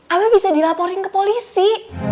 apa bisa dilaporin ke polisi